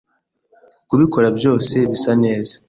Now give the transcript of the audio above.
Kubikora byose bisa neza